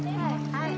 はい。